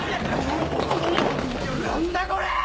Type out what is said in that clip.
何だ⁉これ！